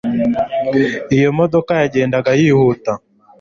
Iyo modoka yagendaga yihuta